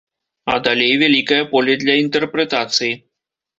А далей вялікае поле для інтэрпрэтацый.